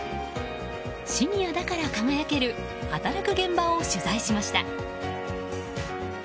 シニアだから輝ける働く現場を取材しました。